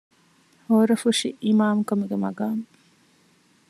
ހޯރަފުށި އިމާމުކަމުގެ މަޤާމު